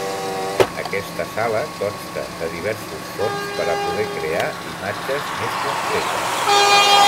Aquesta sala consta de diversos fons per a poder crear imatges més concretes.